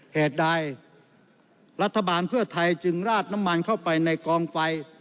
เหตุใดรัฐบาลเพื่อไทยจึงราดน้ำมันเข้าไปในกองไฟ